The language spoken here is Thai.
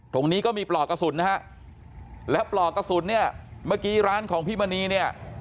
ตรงนี้ก็มีปลอกกระสุนนะฮะแล้วปลอกกระสุนเนี่ยเมื่อกี้ร้านของพี่มณีเนี่ย